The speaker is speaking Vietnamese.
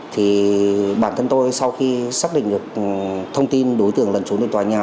thì bản thân tôi sau khi xác định được thông tin đối tượng lần trốn đến tòa nhà